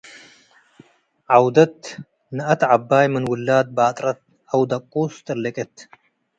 ዐውደት፤ ነአት ዐባይ ምን ውላድ ባጥረት አው ደቁስ ጥልቅት ።